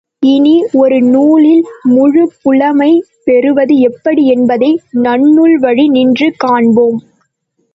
இனி, ஒரு நூலில் முழுப் புலமை பெறுவது எப்படி என்பதை நன்னூல் வழி நின்று காண்பாம்.